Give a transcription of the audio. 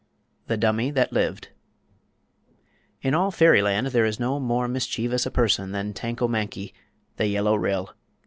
THE DUMMY THAT LIVED In all Fairyland there is no more mischievous a person than Tanko Mankie the Yellow Ryl.